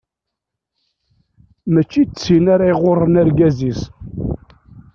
Mačči d tin ara iɣurren argaz-is.